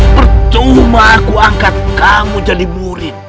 percuma aku angkat kamu jadi murid